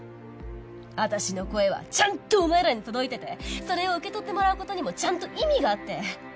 私の声はちゃんとお前らに届いててそれを受け取ってもらう事にもちゃんと意味があって。